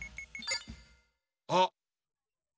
あっ！